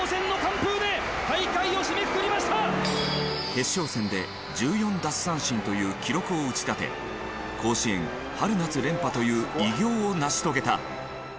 決勝戦で１４奪三振という記録を打ち立て甲子園春夏連覇という偉業を成し遂げた。